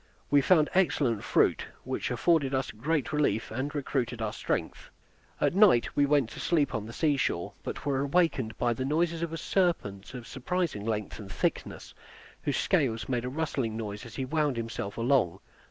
We found excellent fruit, which afforded us great relief, and recruited our strength. At night we went to sleep on the sea shore; but were awakened by the noise of a serpent of surprising length and thickness, whose scales made a rustling noise as he wound himself along.